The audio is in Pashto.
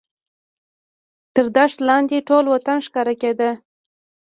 تر دښت لاندې ټول وطن ښکاره کېدو.